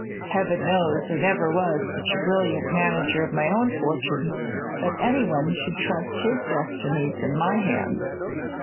Heaven knows, I never was such a brilliant manager of my own fortunes that any one should trust his destinies in my hands.